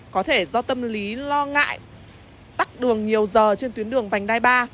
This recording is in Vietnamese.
có thể do tâm lý lo ngại tắt đường nhiều giờ trên tuyến đường vành đai ba